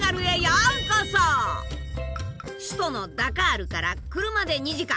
首都のダカールから車で２時間。